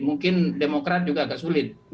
mungkin demokrat juga agak sulit